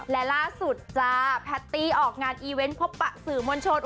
และล่าสุดจ้าแพตตี้ออกงานอีเวนต์พบปะสื่อมวลชน